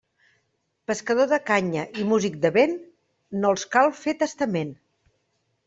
Pescador de canya i músic de vent, no els cal fer testament.